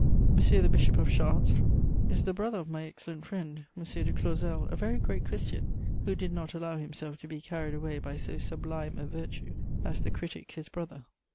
M. the Bishop of Chartres is the brother of my excellent friend M. de Clausel, a very great Christian, who did not allow himself to be carried away by so sublime a virtue as the critic, his brother.